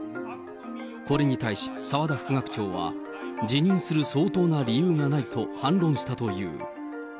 これに対し、澤田副学長は、辞任する相当な理由がないと反論したという。